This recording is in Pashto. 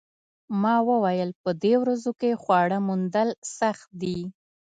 ما وویل په دې ورځو کې خواړه موندل سخت دي